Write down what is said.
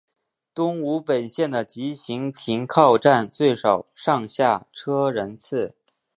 东武本线的急行停靠站最少上下车人次。